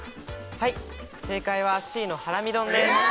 はい正解はＣのハラミ丼ですうわ！